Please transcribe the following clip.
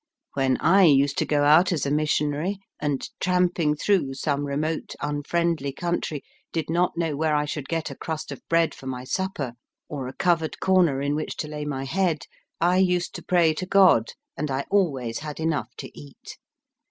When I used to go out as a missionary and, tramping through some remote, unfriendly country, did not know where I should get a crust of bread for my supper or a covered comer in Digitized by CjOOQIC 116 EAST BY WEST. which to lay my head, I used to pray to God, and I always had enough to eat.